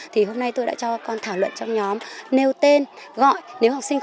thì hôm nay tôi đã cho các con thảo luận trong nhóm nêu tên gọi